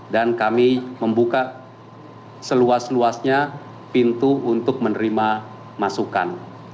dan kami membuka seluas luasnya pintu untuk menerima masukan